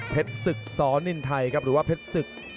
ศึกสอนินไทยครับหรือว่าเพชรศึก